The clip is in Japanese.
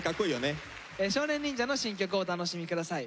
少年忍者の新曲をお楽しみ下さい。